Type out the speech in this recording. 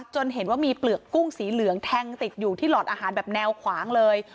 จนเห็นว่ามีเปลือกกุ้งสีเหลืองแทงติดอยู่ที่หลอดอาหารแบบแนวขวางเลย